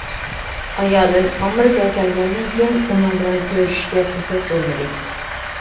ئايالىم ئامېرىكىغا كەلگەندىن كېيىن ئۇنىڭ بىلەن كۆرۈشۈشكە پۇرسەت بولمىدى.